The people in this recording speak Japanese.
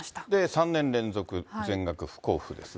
３年連続全額不交付ですが。